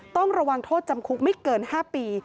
ต้องระวังโทษจำคุกไม่เกิน๕ปี